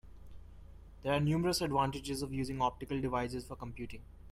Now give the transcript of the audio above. There are numerous advantages of using optical devices for computing.